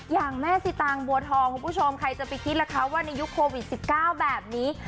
อย่างแม่สิตางบัวทองคุณผู้ชมใครจะไปคิดล่ะคะว่าในยุคโควิด๑๙แบบนี้